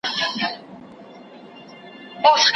محفل دي خوږدی می که تر خه دي